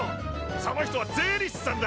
その人は税理士さんだ。